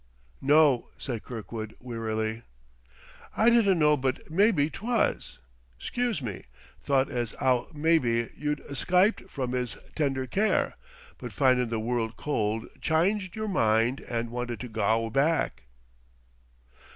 "No," said Kirkwood wearily. "I didn't know but mebbe 'twas. Excuse me. 'Thought as 'ow mebbe you'd escyped from 'is tender care, but, findin' the world cold, chynged yer mind and wanted to gow back."